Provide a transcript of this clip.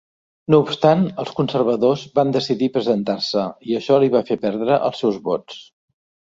No obstant, els conservadors van decidir presentar-se i això li va fer perdre els seus vots.